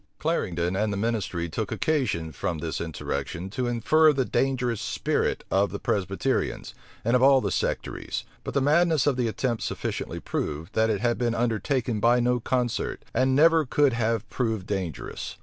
Clarendon and the ministry took occasion, from this insurrection, to infer the dangerous spirit of the Presbyterians, and of all the sectaries: but the madness of the attempt sufficiently proved, that it had been undertaken by no concert, and never could have proved dangerous.